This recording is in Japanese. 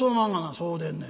「そうでんねん。